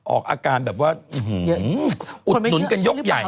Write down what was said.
ออกอาการแบบว่าอุดหนุนกันยกใหญ่